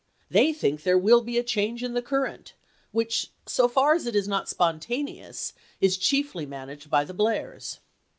.. They think there will be a change in the current, which, so far as chase it is not spontaneous, is chiefly managed by the Ba™*'" Blairs."